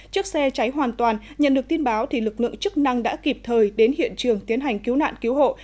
chiếc xe cháy hoàn toàn nhận được tin báo lực lượng chức năng đã kịp thời đến hiện trường tiến hành cứu nạn cứu hộ